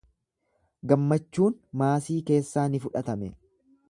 Gammachuun maasii keessaa ni fudhatame.